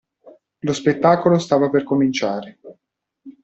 Lo spettacolo stava per cominciare.